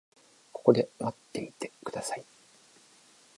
ここで待っていてください。